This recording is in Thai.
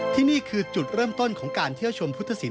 ที่นี่คือจุดเริ่มต้นของการเที่ยวชมพุทธศิล